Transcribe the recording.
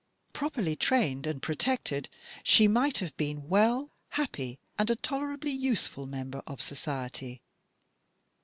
Properly trained and protected, she might have been well, happy, and a tolerably useful member of society.